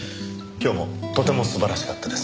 今日もとても素晴らしかったです。